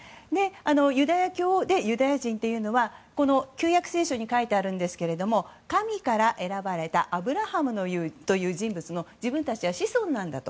ユダヤ教でユダヤ人というのは旧約聖書に書いてあるんですけど神から選ばれたアブラハムという人物の自分たちは子孫なんだと。